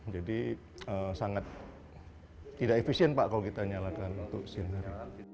jadi sangat tidak efisien pak kalau kita nyalakan untuk sinar